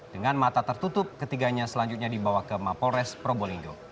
dengan mata tertutup ketiganya selanjutnya dibawa ke mapolres probolinggo